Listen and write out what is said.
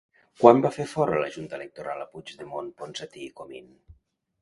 Quan va fer fora la Junta Electoral a Puigdemont, Ponsatí i Comín?